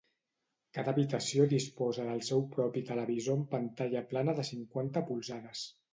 Cada habitació disposa del seu propi televisor amb pantalla plana de cinquanta-cinc polzades.